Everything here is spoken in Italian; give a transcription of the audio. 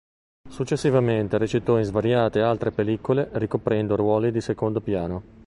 Successivamente recitò in svariate altre pellicole ricoprendo ruoli di secondo piano.